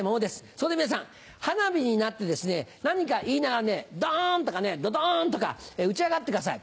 そこで皆さん花火になって何か言いながらドン！とかドドン！とか打ち上がってください。